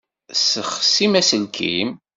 Tesseɣsim aselkim.